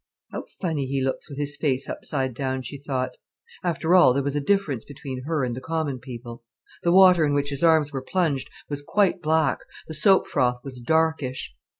"How funny he looks with his face upside down," she thought. After all, there was a difference between her and the common people. The water in which his arms were plunged was quite black, the soap froth was darkish.